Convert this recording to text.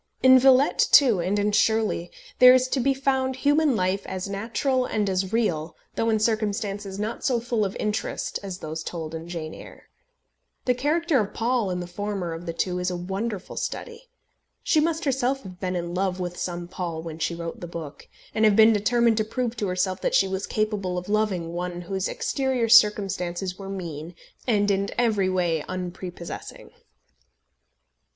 In Villette, too, and in Shirley, there is to be found human life as natural and as real, though in circumstances not so full of interest as those told in Jane Eyre. The character of Paul in the former of the two is a wonderful study. She must herself have been in love with some Paul when she wrote the book, and have been determined to prove to herself that she was capable of loving one whose exterior circumstances were mean and in every way unprepossessing.